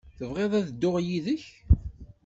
Tebɣiḍ ad dduɣ yid-k?